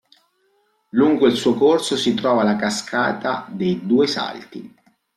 Lungo il suo corso si trova la cascata "dei due salti".